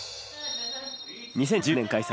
２０１０年開催